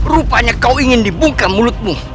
rupanya kau ingin dibuka mulutmu